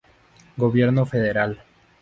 Gobierno Federal.